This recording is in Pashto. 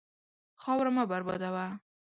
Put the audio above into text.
خاوره مه بربادوه.